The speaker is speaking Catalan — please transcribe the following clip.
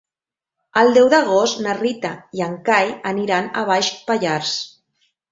El deu d'agost na Rita i en Cai aniran a Baix Pallars.